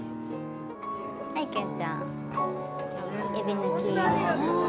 はい、けんちゃん。